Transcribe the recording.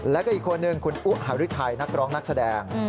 แล้วก็อีกคนนึงคุณอุหาริไทยนักร้องนักแสดง